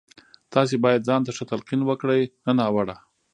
تاسې بايد ځان ته ښه تلقين وکړئ نه ناوړه.